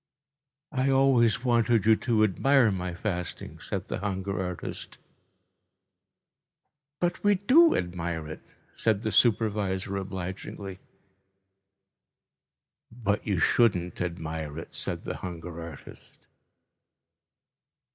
"I always wanted you to admire my fasting," said the hunger artist. "But we do admire it," said the supervisor obligingly. "But you shouldn't admire it," said the hunger artist.